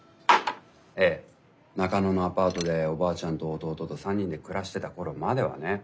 ええ中野のアパートでおばあちゃんと弟と３人で暮らしてた頃まではね。